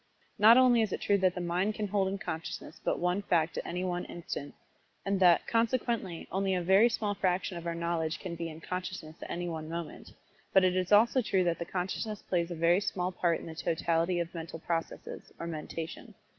Not only is it true that the mind can hold in consciousness but one fact at any one instant, and that, consequently, only a very small fraction of our knowledge can be in consciousness at any one moment, but it is also true that the consciousness plays but a very small part in the totality of mental processes, or mentation.